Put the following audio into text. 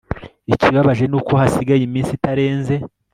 ikibabaje nuko hasigaye iminsi itarenze ″